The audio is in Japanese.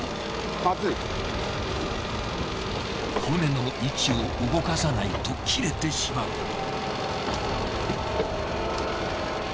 船の位置を動かさないと切れてしまう。